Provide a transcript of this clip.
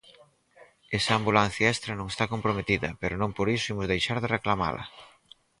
Esa ambulancia extra non está comprometida, pero non por iso imos deixar de reclamala.